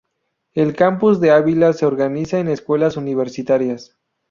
El Campus de Ávila se organiza en escuelas universitarias.